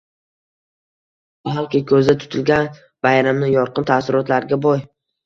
Balki ko‘zda tutilgan bayramni yorqin, taassurotlarga boy.